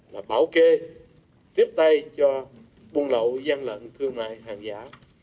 là bảo kê tiếp tay cho vun lậu gian lệnh thương mại hàng giả